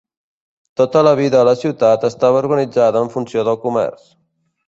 Tota la vida a la ciutat estava organitzada en funció del comerç.